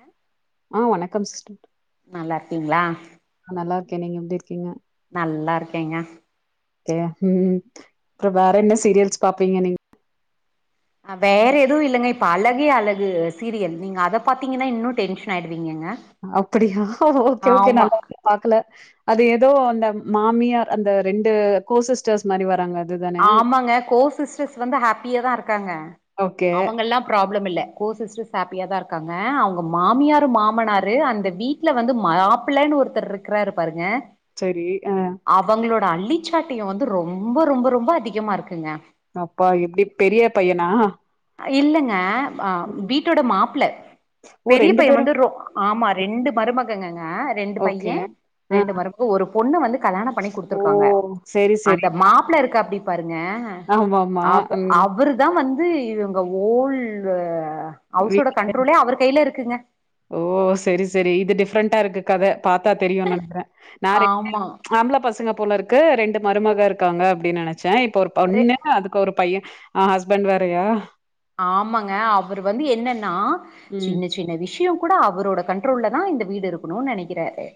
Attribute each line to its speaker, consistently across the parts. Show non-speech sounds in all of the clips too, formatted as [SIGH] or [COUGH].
Speaker 1: அஹ
Speaker 2: ஆஹ் வணக்கம் சிஸ்டர்
Speaker 1: நல்லா ரிக்கீங்ளா
Speaker 2: நல்லா ருக்கே நீங்க எப்படிருக்கீங்க
Speaker 1: நல்லா இருக்கேங்க
Speaker 2: யா ஹம் அப்றோ வேற என்ன சீரியல்ஸ் பாப்பீங்க நீங்
Speaker 1: அஹ் வேற எதுவும் இல்லங்க இப்ப அழகே அழகு சீரியல் நீங்க அத பாத்தீங்கன்னா இன்னும் டென்ஷன் ஆயிடுவீங்கங்க
Speaker 2: அப்பிடியா ஓகே ஓகே
Speaker 1: ஆமா
Speaker 2: நால்ல பாக்கல அது ஏதோ அந்த மாமியார் அந்த ரெண்டு கோசிஸ்டர்ஸ் மாதிரி வராங்க அதுதானே?
Speaker 1: ஆமாங்க கோ சிஸ்டர்ஸ் வந்து ஹாப்பிய தா இருக் இருக்காங்க
Speaker 2: ஓகே.
Speaker 1: அவங்கல்லாம் ப்ராப்ளம் இல்ல கோ சிஸ்டர்ஸ் ஹாப்பியா தா இருக்காங்க அவங்க மாமியார் மாமனார் அந்த வீட்டில் வந்து மாப்பிள்ளைன்னு ஒருத்தர் இருக்கிறாரு பாாருங்க
Speaker 2: சரி ஆஹ்
Speaker 1: அள்ளிச்சாட்டியம் வந்து ரொம்ப ரொம்ப ரொம்ப அதிகமா இருக்குங்க
Speaker 2: அப்பா எப்டி பெரிய பையனா
Speaker 1: இல்லங்க
Speaker 2: ம்.
Speaker 1: வீட்டோட மாப்ல
Speaker 2: ஓ
Speaker 1: பெரிய பைய
Speaker 2: பேரும்
Speaker 1: வந்து ரோ ஆமா ரெண்டு மருமகங்கங்க ரெண்டு
Speaker 2: ஓகே.
Speaker 1: பைய
Speaker 2: அ
Speaker 1: ரெண்டு மருப்பு ஒரு பொண்ணு வந்து கல்யாண பண்ணி
Speaker 2: ஓ!
Speaker 1: குடுத்துருக்காங்க
Speaker 2: சரி, சரி.
Speaker 1: அந்த மாப்ள இருக்காப்டி
Speaker 2: ஆமாமா.
Speaker 1: அவு
Speaker 2: ம்.
Speaker 1: அவுரு தா வந்து இவங்க ஓல்
Speaker 2: வீ
Speaker 1: அவவுசோட கண்ட்ரோலே அவுரு கையில இருக்குங்க
Speaker 2: ஃப்ரண்ட இருக்கு கத பாத்தா தெரியு நினைக்கிற
Speaker 1: ஆமா
Speaker 2: [UNINTELLIGIBLE] ஆம்பல பசங்க போல இருக்கு ரெண்டு மருமக இருக்காங்க அப்படின்னு நெனச்சா [UNINTELLIGIBLE] இப்போ ஒரு
Speaker 1: ரெ
Speaker 2: பொண்ணு அதுக்கு ஒரு பையன் ஆஹ் ஹஸ்பண்ட் வேறையா
Speaker 1: ஆமாங்க அவர் வந்து என்னன்னா
Speaker 2: ம்
Speaker 1: சின்ன சின்ன விஷயம் கூட அவரோட கண்ட்ரோல்லல தான் இந்த வீடு இருக்கணுனு நினைக்கிறாரு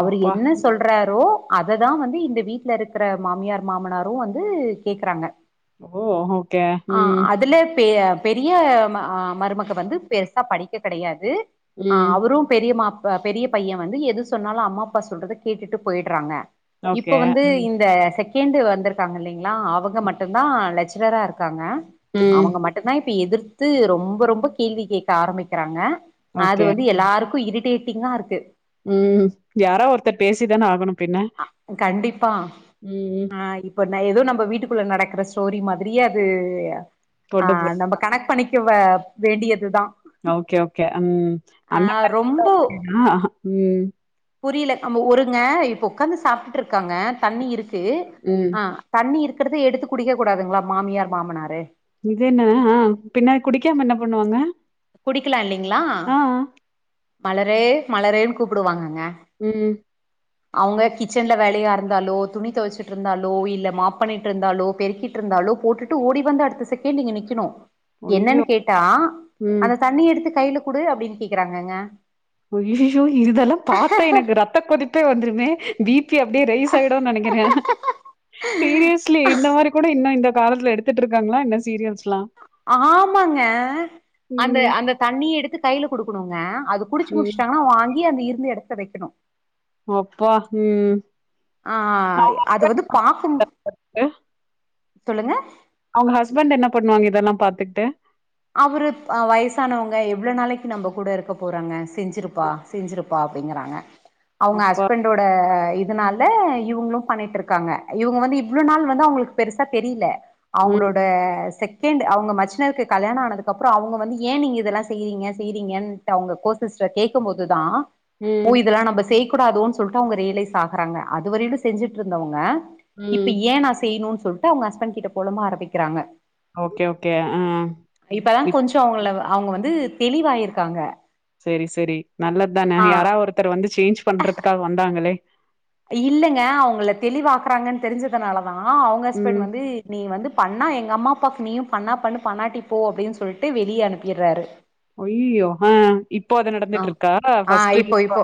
Speaker 1: அவுரு
Speaker 2: அப்பா
Speaker 1: என்ன சொல்றாரோ அததான் வந்து இந்த வீட்ல இருக்கிற மாமியார் மாமனாரும் வந்து கேக்குறாங்க
Speaker 2: ஓ ஓகே
Speaker 1: ஆ
Speaker 2: ம்ம்
Speaker 1: அதுல பெ பெரிய மருமக வந்து பெருசா படிக்க கிடையாது ஆஹ்
Speaker 2: ம்
Speaker 1: அவரும் பெரிய மா பெரிய பையன் வந்து எது சொன்னாலும் அம்மா அப்பா சொல்றத கேட்டுட்டு போயி்டறாங்க இப்ப
Speaker 2: ஓகே
Speaker 1: வந்து
Speaker 2: ம்
Speaker 1: இந்த செக கேண்டு வந்திருக்காங்க இல்லைங்களா அவங்க மட்டுும்்தான் லெக்சராக இருக்கு இருக்காங்க
Speaker 2: ம்
Speaker 1: அவங்க மட்டும் இப்ப எதிர்த்து ரொம்ப ரொம்ப கேள்வி கேட்க ஆரம்பிக்கிறாங்க அது வந்து எல்லாருக்கும் இருக்கு டேட்டிங்கா இருக்கு
Speaker 2: உம் யாரா ஒருர்த்தர் பேசி தான ஆகனும்
Speaker 1: கண்டிப்பா
Speaker 2: ம் ம்.
Speaker 1: ஆஹ் இப்ப ந ஏதோ நம்ம வீட்டுக்குள்ள நடக்கற ஸ்டோரி மாதிரியே அது
Speaker 2: கொண்டு போ
Speaker 1: ஆஹ் நம்ம கனெக்ட் பண்ணிக்கவ வேண்டியதுதான்
Speaker 2: ஓகே ஓகே உஹம் ஐந்த
Speaker 1: ரொம்ப புரியல நம ஊருங்க இப்போ உட்காந்து சாப்பிட்டு இருக்காங்க தண்ணி இருக்கு
Speaker 2: ம்
Speaker 1: ஆஹ் தண்ணி இருக்கு கிட்டத்த எடுத்து குடிக்கக் கூடாதுங்களா மாமியார் மாமனாரு
Speaker 2: இது என்னதா பின்னா குடிக்காம என்ன பண்ணுவாங்க
Speaker 1: குடிக்கலாம் இல்லலைங்களா
Speaker 2: ஆ
Speaker 1: மலரே மலரேன்னு கூப்பிடுவாங்கங்க
Speaker 2: உம்
Speaker 1: அவங்க கிச்சன்ல வேலையா இருந்தாலோ துணி துவைச்சிட்டு இருந்தாலோ இல்ல மாப் பண்ணிட்டு இருந்தாலோ பெருக்கிட்டு இருந்தாலோ போட்டுட்டு ஓடி வந்த அடுத்த செகண்ட் நீங்க நிக்கணும்
Speaker 2: ஐயோ
Speaker 1: என்னன்னு கேட்டா
Speaker 2: ம்
Speaker 1: அந்த தண்ணி எடுத்து கையில குடு அப்படின்னு கேக்குறாங்கங்க
Speaker 2: ஐயய்ஐயோ இதெல்லாம் பார்த்தேன் எனக்கு ரத்த கொதிப்பே வந்துருமே தீப அப்படியே ரைஸ் ஆய்டும் நினைக்கிறேன் சீரியஸ்லி இந்த மாதிரி கூட இன்னும் இந்த காலத்துல எடுத்துட்டு இருக்கங்களா என்ன சீரியல்
Speaker 1: ஆமாங்க அந்த
Speaker 2: ம்
Speaker 1: அந்த தண்ணி எடுத்து கையில கொடுக்கணுங்க அது குடிச்சு
Speaker 2: ம்
Speaker 1: முடிச்சாங்கா வாங்கி எ அந்த இருந்து எடத்த வெக்கணு
Speaker 2: அப்பா உம்
Speaker 1: ஆஹ் அது வந்து பாக்கும் சொல்லுங்க
Speaker 2: அவங்க ஹஸ்பண்ட் என்ன பண்ணுவாங்க இதெல்லா பாத்துக்ட்டு
Speaker 1: அவரு வயசானவங்க எவ்வளவு நாளைக்கு நம்ப கூட இருக்க போறாங்க செஞ்சிருப்பா செஞ்சிருப்பா அப்படிங்கறாங்க அவங்க
Speaker 2: அப்பா
Speaker 1: ஹஸ்பண்டோட இ இதனால இவங்களு‌ பண்ணிட்ருக்காங்க இவங்க வந்து இவ்ளோ நாள் வந்து அவங்களுக்கு பெருசா தெரியல
Speaker 2: ம்
Speaker 1: அவங்களோட செக்கேண்ட் அவங்க மச்சினருக்கு கல்யாண ஆனதுக்கப்புறோ அவங்க வந்து ஏ நீங்க இதெல்லா செய்யிறீங்க செய்றீங்கன்ட்டு அவங்க கோ சிஸ்டர் கேட்கு போதுதா ஓ
Speaker 2: ம்
Speaker 1: இதெல்லா நம்ப செய் கூடாதோனு சொல்ட்டு அவங்க ரியலைஸ் ஆகறாங்க அதுவரையிலு செஞ்சிட்டு இருந்தவங்க இப்ப
Speaker 2: ம்
Speaker 1: ஏ நா செய்ணுன் சொல்ட்டு அவங்க ஹஸ்பண்ட் கிட்ட பொலம்ப ஆரம்பிக்கிறாங்க
Speaker 2: ஓகே ஓகே ஆ
Speaker 1: இப்பதா
Speaker 2: இப்
Speaker 1: கொஞ்ச ஓர்ரளவா அவங்க வந்து தெளிவாயிருக்காங்க
Speaker 2: சரி சரி நல்லது தான
Speaker 1: ஆ
Speaker 2: யாரா ஒருத்தர் வந்து சேஞ்ச் பண்றதுக்காக வந்தா ங்களே
Speaker 1: இல்லங்க அவங்கள தெளிவாக்குறாங்கன் தெரிஞ்சதுனால தா அவங்க ஹஸ்பண்ட்
Speaker 2: ம்
Speaker 1: வந்து நீ வந்து பண்ணா எங்க அம்மா அப்பாக்கு நீயு பண்ணா பண்ணு பண்ணாட்டிப்போ அப்படின் சொல்லிட்டு வெளிய அனுப்பிறாரு
Speaker 2: ஐயியோ ஆஹ் இப்போ அத
Speaker 1: ஆ
Speaker 2: நடந்துட்ருக்கா
Speaker 1: ஆ
Speaker 2: ஃபர்ஸ்ட்
Speaker 1: இப்போ இப்போ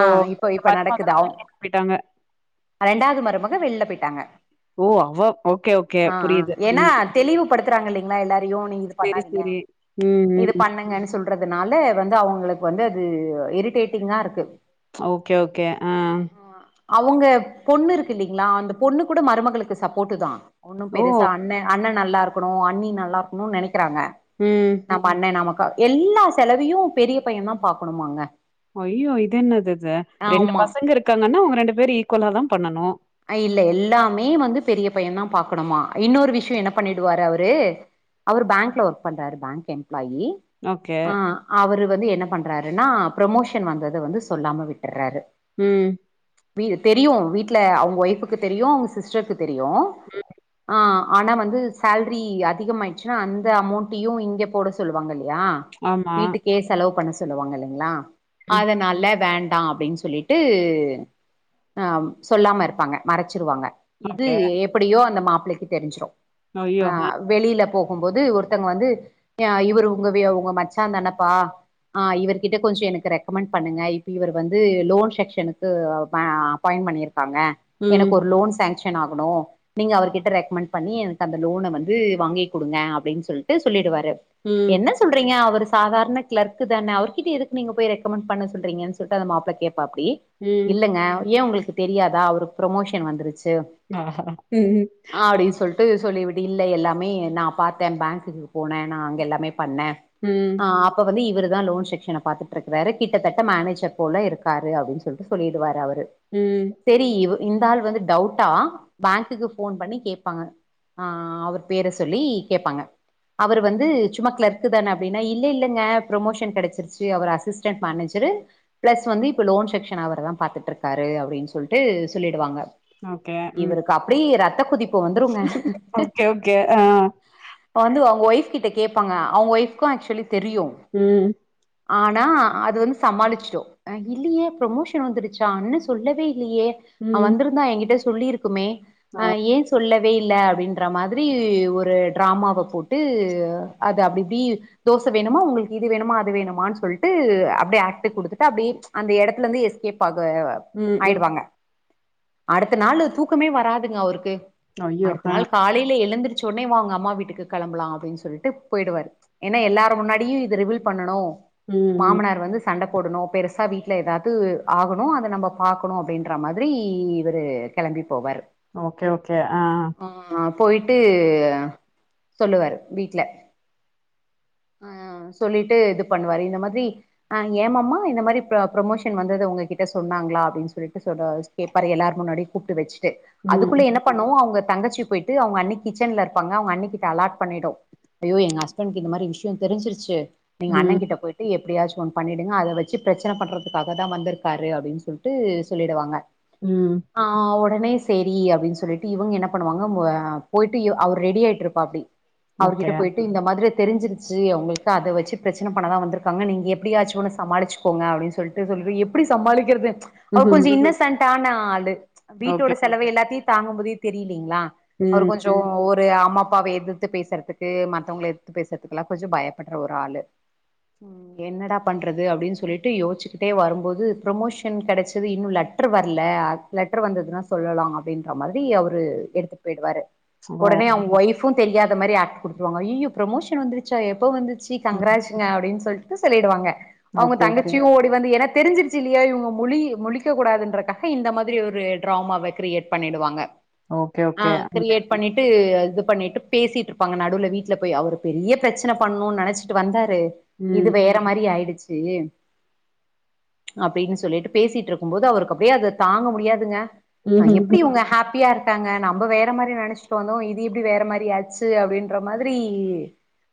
Speaker 2: [INAUDIBLE] ஓ
Speaker 1: இப்போ இப்ப
Speaker 2: மருமகள
Speaker 1: நடக்குது அவ்
Speaker 2: வெளியனுப்பிட்டாங்க
Speaker 1: மக வெளில போயிட்டாங்க
Speaker 2: ஓ அவ ஓகே ஓகே புரியுது ம்
Speaker 1: துருறாங்க இல்லலைங்களா எல்லாரு ஐயோ நீங்க இது
Speaker 2: சரி,
Speaker 1: பண்ணாதீங்க
Speaker 2: சரி. ம்,
Speaker 1: இது
Speaker 2: ம்.
Speaker 1: பண்ணுங்கன்னு சொல்ல துறதுனால வந்து அவங் களுக்கு வந்து அது இரிட்டேட்டிங்கா இருக்கு
Speaker 2: ஓகே ஓகே ஆஹ்
Speaker 1: அவங்க பொண்ணு இருக்கில்லலைங்களா அந்த பொண்ணு கூட மருமகளுக்கு சப்போட்டு தா ஒண்ணு
Speaker 2: ஓ!
Speaker 1: பெருசா அண்ணே அண்ண நல்லா இருக்கணும் அண்ணி நல்லாக்குனும்னு நினைக்க க்கறாங்க
Speaker 2: ம்.
Speaker 1: நம்ம அண்ணனை நமக்கு எல்லா செலவையும் பெரிய பையன் தான் பாக்கணுமாங்க
Speaker 2: ஐயோ இது என்னது இது ரெண்டு
Speaker 1: ஆமா
Speaker 2: பசங்க இருக்காங்கன்னா அவங்க ரெண்டு பேரும் ஈக்குவலா தான் பண்ணனும்
Speaker 1: இல்ல எல்லாமே வந்து பெரிய பையன் தான் பாக்கணுமா இன்னொரு விஷயம் என்ன பண்ணிடுவாரு அவரு அவர் பேங்க்ல ஒர்க் பண்றாரு பேங்க் எம் ஆயி
Speaker 2: ஓகே.
Speaker 1: ஆ அவரு வந்து என்ன பண்ண ட்ராருன்னா ப்ரமோஷன் வந்தத வந்து சொல்லாம விட்டறாரு
Speaker 2: ம்
Speaker 1: தெரியும் வீட்ல அவங் ஒய்ஃபுக்கு தெரியு அவங்க சிஸ்டர்க் தெரியு
Speaker 2: ம்.
Speaker 1: ஆ ஆனா வந்து சேல்ரி அதிகம் ஆகிட்ச்சுனா அந்த அமௌண்ட்டையு இங்கே போட சொல்லுவாங்கல்லே யா
Speaker 2: ஆமா.
Speaker 1: வீட்டுக்கே செலவு பண்ண சொல்லுவாங்க இல்லைங்களா
Speaker 2: ம்.
Speaker 1: அதனால்ல வேண் டா அப்டின் சொல்லிட்டு ஆம் சொல்லாம இருப் பாங்க மறைச்சிருவாங்க இது
Speaker 2: ஓகே.
Speaker 1: எப்டியோ நம்ம அப் புள்ளைக்கு தெரிஞ்சிரு
Speaker 2: ஐயோ! அ.
Speaker 1: ஆஹ் வெளில போகும்போது ஒருத்தங்க வந்து அ இவரு உங்க வெ உங்க மச்சாந்தானப்பா அ இவர்கிட்ட கொஞ்சொ எனக்கு ரெக்கமெண்ட் பண்ணுங்க இப்ப இவர் வந்து லோன் செக்க்ஷனுக்கு அப்பா அப்பாயண்ட் பண்ணிருக்காங்க
Speaker 2: ம்,
Speaker 1: எனக்கு ஒரு லோன் சாங்ஷன் டென் ஆகணு நீங்க அவர்கிட்ட ரெக்கமெண்ட் பண்ணி எனக்கு அந்த லோன வந்து வாங்கி குடுங்க அப்டின்னு சொல்ட்டு சொல்லிடுவாரு
Speaker 2: ம்,
Speaker 1: என்ன சொல்றீங்க அவரு சாதாரண க்ளர்க்கு தான அவர்கிட்ட எதுக்கு நீங்க போய் ரெக்கமண்ட் பண்ண சொல்றீங்கன்னு சொல்ட்டு அந்த மாப்ள கேப் ப்பாப்பிடி
Speaker 2: ம்.
Speaker 1: இல்லங்க ஏ உங்களுக்கு தெரியாதா அவரு ப்ரொமோஷன் வந்துருச்
Speaker 2: ம் ம்
Speaker 1: ட்டு சொல்லிவிடு இல்ல எல்லாமே நா பாத்த பேங்குக்கு போன நா அங்க எல்லாமே பண்ண
Speaker 2: ம்,
Speaker 1: ஆ அப்ப வந்து இவரு தா லோன் செக்க்ஷன பாத்துட்டுருக்கிறாரு கிட்டத்தட்ட மேனேஜ்ர் போல இருக்காரு அப்டின்னு சொல்ட்டு சொல்லிடுவாரு அவர்
Speaker 2: ம்.
Speaker 1: சரி இவ் இந்த ஆல் வந்து டவுட்டா பேங்க்குக்கு ஃபோன் பண்ணி கே்பாங்க ஆ அவர் பேர சொல்லி கேப்பாங்க அவரு வந்து சும்மா கிளர்க்கு தான அப்டின்னா இல்ல இல்லங்க ப்ரொமோஷன் கெடைச்சிருச்சு அவர் அசிஸ்டன் மேனேஜரு பிளஸ் வந்து இப்ப லோன் செக்க்ஷன அவர தான் பாத்துட்டுருக்காரு அப்டின்னு சொல்ட்டு சொல்லிடுவாங்க
Speaker 2: ஓகே. ம்.
Speaker 1: இவருக்கு அப்டியே ரத்த கோதிப்பு வந்துருங்க
Speaker 2: ஓகே, ஓகே. ஆ.
Speaker 1: வந்து அவ்ங்க ஒய்ஃப் கிட்ட கேப்பாங்க அவங்க ஒய்ஃப்க்கு ஆக்சுவலீ தெரியு
Speaker 2: ம்,
Speaker 1: ஆனா அது வந்து சமாலிச்சோ இல்லையே ப்ரமோஷன் வந்துடுச்சா அண்ண சொல்லவே இல்லயே அவ
Speaker 2: ம்.
Speaker 1: வந்துருந்தா எங்க்கிட்ட சொல்லியிருக் க்குமே
Speaker 2: ஆ.
Speaker 1: ஏன் சொல்லே [UNINTELLIGIBLE] இல்ல அப்டின்ற மாதிரி ஒரு ட்ராமாவ போட்டு அத அப்டிஇப்டி தோச வேணுமா உங்ளுக்கு இது வேணுமா அது வேணுமாண் சொல்ட்டு அப்டே அக்ட்டு குடுதுடு அப்டியே அந்த இடத்துல இருந்து எஸ்கேப் ஆ
Speaker 2: ம்,
Speaker 1: [UNINTELLIGIBLE]
Speaker 2: ம்.
Speaker 1: ஆயிடுவாங்க அடுத்த நாளு தூக்கமே வராதுங்க அவுருக்கு
Speaker 2: ஐயோ! ஆ.
Speaker 1: அடுத்தநாள் காலையில எழுந்துட் சொன்னே வாங்க அம்மா வீட்டுக்கு கெளம்பலா அப்டின்னு சொல்டு போயிடுவாரு என்ன எல்லாரும் முன்னாடியும் இத ரிவல் பண்ணனும்
Speaker 2: ம், ம்.
Speaker 1: மாமனார் வந்து சண்ட போடணோ பெருசா வீட்ல ஏதாவது ஆகணோ அத நம்ம பாக்கணோ அப்டின் பாக்குற மாதிரி இவரு கெளம்பி போவாரு
Speaker 2: ஓகே ஓகே ஆ
Speaker 1: ஆ போயிட்டு சொல்லுவாரு வீட்ல அ சொல்லிட்டு இது பண்ணுவாரு இந்த மாதிரி அ ஏமாம்மா இந்த மாரி ப்ரொமோஷன் வந்ததை உங்ககிட்ட சொன்னாங்களா அப்டின்னு சொல்லி [UNINTELLIGIBLE] கேப்பாரு முன்னாடியும் கூப்ட்டு வெச்சு ட்டு
Speaker 2: ம்,
Speaker 1: அதுக்குள்ள என்ன பண்ணுவோ அவுங்க தங்கச்சி போயிட்டு அவுங்க அண்ணி கிட்சேன்ல இருப்பாங்க அவங்க அண்ணிக்கிட்ட அலாட் பண்ணிடோ அய்யோ எ ஹஸ்பன்டுக்கு இந்த மாரி விஷயோ தெரிஞ்சிடுச்சி நீங்க அண்ண
Speaker 2: ம்,
Speaker 1: கிட்ட போயிட்டு எப் எதையசும் ஒண்ணு பண்ணிடுங்க அத வச்சு பிரச்சனை பண்றதுக்காக தா வந்திருக்காரு அப்டின்னு சொல்லிட்டு சொல்லிடுவாங்க
Speaker 2: ம்.
Speaker 1: ஆஹ் அவு உடனே செரி அப்டின்னு சொல்லிட்டு இவங்க என்ன பண்ணுவாங்க ஆஹ் போயிட்டு இவ அவர் ரெடி ஆயிட்டு இருப்பாப்டி
Speaker 2: ஓகே.
Speaker 1: அவர்கிட்ட போயிட்டு இந்த மாதிரி தெரிஞ்சிருச்சு அவங்களுக்கு அத வச்சு பிரச்சன பண்ணதா வந்திருக்காங்க நீங்க எப்டியாச்சும்னும் சமாளிச்சுக்கோங்க அப்டின்னு சொல்லிட்டு சொல்லி எப்டி சமாளிக்கிறது அவரு
Speaker 2: ம்ஹ்ம்.
Speaker 1: கொஞ்ச இன்னெசென்ட் தனாலு வீட்டோட
Speaker 2: ஓகே.
Speaker 1: செலவு எல்லாத்தையு தாங்கும்போதே தெரியலிங்களா அவரு
Speaker 2: ம்.
Speaker 1: கொஞ்சோ ஒரு அம் அம்மாப்பாவை எதித்து பேசுறதுக்கு மத்தவங்கள எதித்து பேசுறதுக்குெல்லா கொஞ்ச பயப்படுற ஒரு ஆளு ஹ்ம் என்னடா பண்றது அப்டின்னு சொல்லிட்டு யோசச்சுக்கிட்டே வரும்போது ப்ரமோஷன் கெடைச்சி இது இன்னு லெட்டர் வரல அத் லெட்டர் வந்ததுன்னா சொல்லலா அப்டின்ற மாதிரி அவுரு எடுத்து போயிடுவாரு
Speaker 2: ஓ!
Speaker 1: உடனே அவன் ஒய்ஃப் இப்புவு தெரியாதமாரி ஆக்ட் குடுத்துருவாக அய்யயோ ப்ரோமோஷன் வந்துருச்சா எப்போ வந்து சி
Speaker 2: ம்.
Speaker 1: கங்கராச்சிங்க அப்டின்னு சொல் [UNINTELLIGIBLE] சொல்லிடுவாங்க அவுங்க
Speaker 2: ஓகே, ஓகே.
Speaker 1: தங்கச்சியு ஓடி வந்து என தெரிஞ்சிருச்சு இல்லையா இவுங்க முழி முழிக்கக் கூடாதுன்றக்காக இந்த மாரி ஒரு டிராமாவ கிரியேட் பண்ணிடுவாங்க
Speaker 2: ஓகே, ஓகே.
Speaker 1: ஆஹ் கிரியேட் பண்ணிட் இது பண்ணிட்டு பேசிட்டு இருப்பாங்க நடுல வீட்ல போய் அவர் பெரிய பிரச்சன பண்ணனும் நினைச்சிட்டு வந்த இது
Speaker 2: ம்.
Speaker 1: வேற மாதிரி ஆயிடுச்சு சே அப்படின்னு சொல்லிட்டு பேசிட்டு இருக்கும் போது அவருக்கு அப்படியே அத தாங்க முடியாதுங்க
Speaker 2: ம்ஹ்ம்.
Speaker 1: எப்படி இங்க ஹாப்பியா இருக்கு தாங்க நம்ம வேற மாதிரி நினைச்சிட்டு வந்தோம் இது எப்படி வேற மாதிரி ஆச்சு அப்படின்ற மாதிரி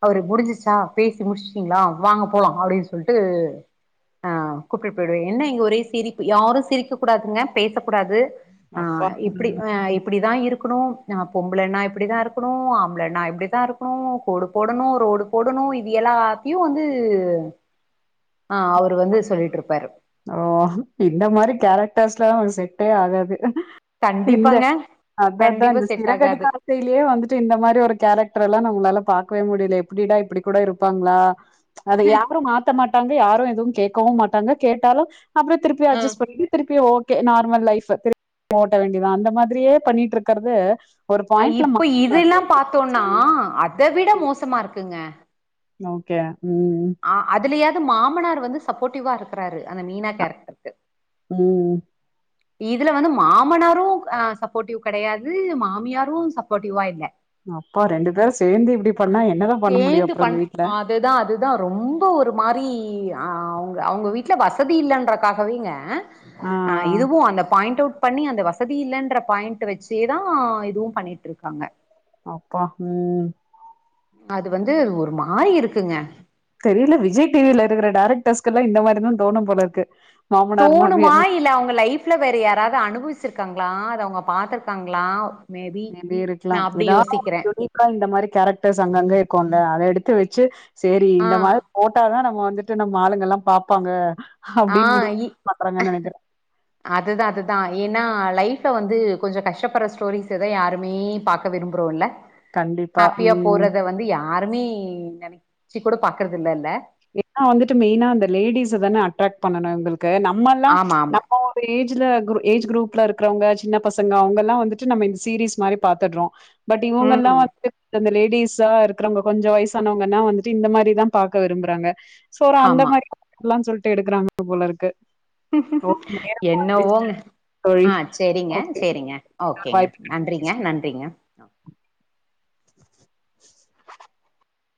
Speaker 1: அவரு முடிஞ்சிச்சா பேசி முடிச்சிடிங்களா வாங்க போலாம் அப்படின்னு சொல்லிட்டு அஹ் கூப்பிட்டு போயிடுவேன் என்ன இங்க ஒரே சிரிப்பு யாரும் சிரிக்கக் கூடாதுங்க பேசக் கூடாது
Speaker 2: அப்பா!
Speaker 1: ஆஹ் இப்படி
Speaker 2: ம்.
Speaker 1: ஆஹ் இப்படிதான் இருக்கணும் ஹ் பொம்புலண்ணா இப்படிதான் இருக்கணும் ஆம்பளண்ண இப்படிதான் இருக்கணும் கோடு போடணும் ரோடு போடணும் இது எல்லாத்தையும் வந்து ஆஹ் அவர் வந்து சொல்லிட்டு இருப்பாரு
Speaker 2: ஓ இந்த மாதிரி கேரக்டர்ஸ்லாம் செட்டே ஆகாது இந்த
Speaker 1: கண்டிப்பாங்க
Speaker 2: அதான் தான்
Speaker 1: கண்டிப்பா
Speaker 2: இந்த
Speaker 1: செட் ஆகாது
Speaker 2: சிறகடிக்கஆசையிலயே வந்துட்டு இந்த மாதிரி ஒரு கேரக்டர் எல்லாம் நம்மளால பா பாக்கவே முடியல எப்படிடா இப்படி கூட இருப்பாங்களா அத யாரும் மாத்த மாட்டாங்க யாரும் எதுவும் கேட்கவும் மாட்டாங்க கேட்டாலும் அப்புற திருப்ப
Speaker 1: அ
Speaker 2: அட்ஜஸ்ட் பண்ணி திருப்பியும் ஓகே நார்மல் லைஃப் திருப்பி ஓட வேண்டியதான் அந்த மாதிரியே பண்ணிட்டு இருக்கிறது
Speaker 1: இப்ப இதெல்லாம் பார்த்தோம்னா
Speaker 2: சொல்லி
Speaker 1: அத விட மோசமா இருக்குங்க
Speaker 2: ஓகே ம்
Speaker 1: ஆஹ் அதுலயா மாமனார் வந்து சப்போர்ட்டிவா இருக்கிறாரு அந்த மீனா கேரக்டருக்கு
Speaker 2: உம்
Speaker 1: இதுல வந்து மாமனாரும் அஹ் சப்போர்ட்டிவ் கிடையாது மாமியாரும் சப்போர்ட்டிவா இல்ல
Speaker 2: அப்பா ரெண்டு பேரும் சேர்ந்து இப்படி பண்ணா என்னதான் பண்ண முடியும்
Speaker 1: சேர்ந்து
Speaker 2: அப்புறம்
Speaker 1: பண்
Speaker 2: அந்த வீட்ல
Speaker 1: அதுதான் அதுதான் ரொம்ப ஒரு மாதிரி அவங்க அவங்க வீட்டில் வசதி இல்லைன்றக்காகவேங்க
Speaker 2: ஆ
Speaker 1: ஆஹ் இதுவும் அந்த பாயிண்ட் அவுட் பண்ணி அந்த வசதி இல்லென்ற பாயிண்ட் வச்சேதான் இதுவும் பண்ணிட்டு இருக்காங்க
Speaker 2: அப்பா உம்
Speaker 1: அது வந்து ஒரு மாறி இருக்குங்க
Speaker 2: தெரியல விஜய் டிவில இருக்கிற டைரக்டர்ஸ்க்குல்லாம் இந்த மாதிரி தான் தோணும் போல இருக்கு மாமனார் மாமியார்
Speaker 1: தோணுமா இல்ல அவங்க லைஃப்ல வேற யாராவது அனுபவிச்சிருக்காங்களா அத அவங்க பாத்துருக்காங்களா மேபி
Speaker 2: ம்பி
Speaker 1: நா
Speaker 2: இருக்கலாம்
Speaker 1: அப்டி
Speaker 2: ஏதாவது
Speaker 1: யோசிக்கிறே
Speaker 2: யுனிக்கா இந்த மாதிரி கேரக்டர்ஸ் அங்கங்க இருக்கோல அத வெச்சி சரி
Speaker 1: ஆ
Speaker 2: இந்த மாதிரி போட்டாதான் நம்ம வந்து ந்துட்டு நம்மாளுங்கல்லா பாப்பாங்க அப்டின்னு
Speaker 1: ஆஹா
Speaker 2: முடிவு
Speaker 1: இ
Speaker 2: பண்றாங்கன்னு நெனைக்கிறேன்.
Speaker 1: அதுதா அதுதா ஏன்னா லைஃப்ப வந்து கொஞ்ச கஷ்டப்படுற ஸ்டோரிஸ் எதோ யாருமே பாக்க விரபுறோம்ல
Speaker 2: கண்டிப்பா.
Speaker 1: ஹாப்பியா
Speaker 2: ம்.
Speaker 1: போறத வந்து யா யாருமே நனைச்சுக் கூட பாக்குறது இல்லல்ல
Speaker 2: ஏனா வந்துட்டு மெயினா அந்த லேடிஸ்ஸதான அட்ராக் பண்ணனும் எங்குளுக் கு நம்மல்லா
Speaker 1: ஆமா ஆமா
Speaker 2: நம்ம ஒரு ஏஜ் ஜ்சுல குரு ஏஜ் குரூப்புல இருக்கவங்க சின்ன பசங்க அவுங்குல்லா வந்துட்டு நம்ம இந்த சீரீஸ் மாரி பாத்தறோ பட் இவுங்க
Speaker 1: ம்
Speaker 2: எல்லா வந்துட் அந்த லேட் டீசா இருக்குறங்க கொஞ்ஞோ வயிசானவங்குன்னா வந்துட்டு இந்த மாரிதா பாக்க விரும்புறாங்க சோற அந்த
Speaker 1: ஆமா
Speaker 2: மாரி [UNINTELLIGIBLE] சொல்லிட் ட்டு எடுக்குறாங்க போல இருக்கு ஓகே நேரமா வந்துச்சு
Speaker 1: என்னவோங்க
Speaker 2: தோழி.
Speaker 1: ஆஹ சேரிங்க
Speaker 2: ஓகே.
Speaker 1: சேரிங்க ஓக்கேங்க
Speaker 2: வாய்ப்பு கிடைச்சதுக்கு
Speaker 1: நன்றிங்க நன்றிங்க [UNINTELLIGIBLE]